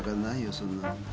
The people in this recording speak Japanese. そんなの。